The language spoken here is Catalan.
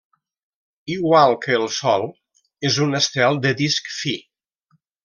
Igual que el Sol, és un estel del disc fi.